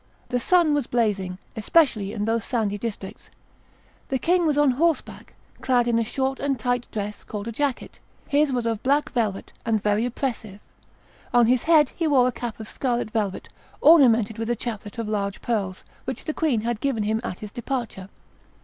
The sun was blazing, especially in those sandy districts. The king was on horseback, clad in a short and tight dress called a jacket. His was of black velvet, and very oppressive. On his head he wore a cap of scarlet velvet, ornamented with a chaplet of large pearls, which the queen had given him at his departure.